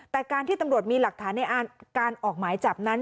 แต่การที่ตำรวจมีหลักฐานในการออกหมายจับนั้น